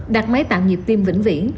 đặt máy tạo nhiệt tim vĩnh viễn